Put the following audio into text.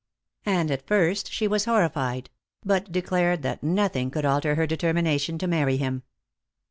And at first she was horrified; but declared that nothing could alter her determination to marry him.